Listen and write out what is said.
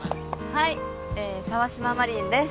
はい沢島真凛です